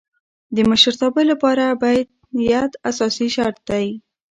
د مشرتابه له پاره بیعت اساسي شرط دئ.